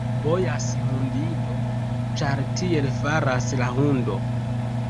Bojas hundido, ĉar tiel faras la hundo.